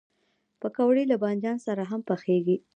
پکورې له بادنجان سره هم پخېږي